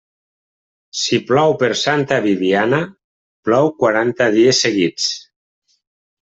Si plou per Santa Bibiana, plou quaranta dies seguits.